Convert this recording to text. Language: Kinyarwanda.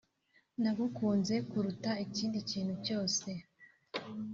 nagukunze kuruta ikindi kintu cyose